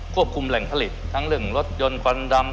คุมแหล่งผลิตทั้งเรื่องรถยนต์ควันดำ